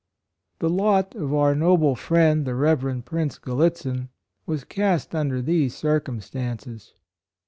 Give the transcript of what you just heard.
The lot of our noble friend, the Rev. Prince Gallitzin, was cast un der these circumstances.